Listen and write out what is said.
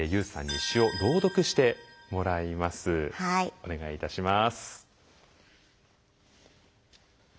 お願いいたします。